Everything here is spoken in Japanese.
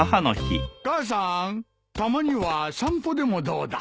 母さんたまには散歩でもどうだ？